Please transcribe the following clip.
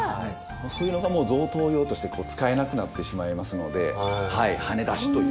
そういうのがもう贈答用として使えなくなってしまいますのではねだしという。